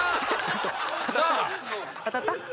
当たった？